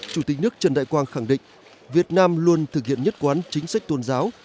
chủ tịch nước trần đại quang khẳng định việt nam luôn thực hiện nhất quán chính sách tôn giáo